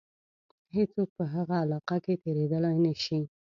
هیڅوک په هغه علاقه کې تېرېدلای نه شي.